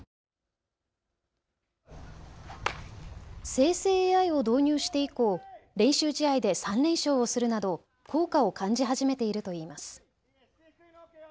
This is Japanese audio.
生成ＡＩを導入して以降、練習試合で３連勝をするなど効果を感じ始めているといいます。